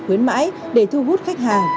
khuyến mãi để thu hút khách hàng